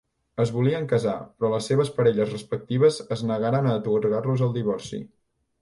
Es volien casar, però les seves parelles respectives es negaren a atorgar-los el divorci.